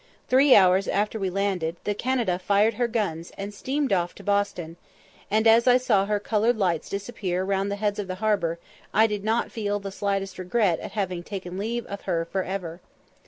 Three hours after we landed, the Canada fired her guns, and steamed off to Boston; and as I saw her coloured lights disappear round the heads of the harbour, I did not feel the slightest regret at having taken leave of her for ever.